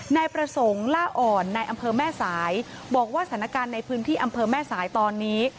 นายประสงค์ล่าอ่อนในอำเภอแม่สายบอกว่าสถานการณ์ในพื้นที่อำเภอแม่สายตอนนี้